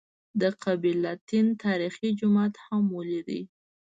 د قبله تین تاریخي جومات هم ولېد.